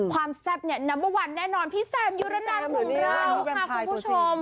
แซ่บเนี่ยนัมเบอร์วันแน่นอนพี่แซมยุระนันของเราค่ะคุณผู้ชม